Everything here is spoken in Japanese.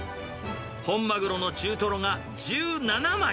本マグロの中トロが１７枚。